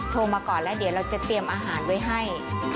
มาก่อนแล้วเดี๋ยวเราจะเตรียมอาหารไว้ให้